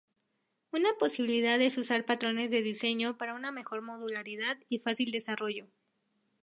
Una posibilidad es usar patrones de diseño para una mejor modularidad y fácil desarrollo.